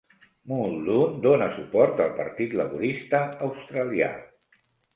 Muldoon dona suport al Partit Laborista Australià.